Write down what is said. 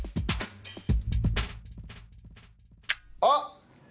あっ！